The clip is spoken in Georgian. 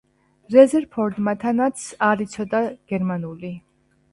რეზერფორდმა თანაც არ იცოდა გერმანული.